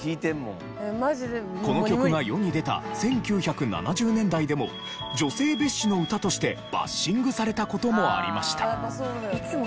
この曲が世に出た１９７０年代でも女性蔑視の歌としてバッシングされた事もありました。